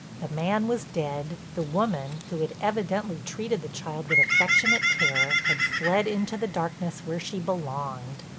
The man was dead, the woman, who had evidently treated the child with affectionate care, had fled into the darkness where she belonged.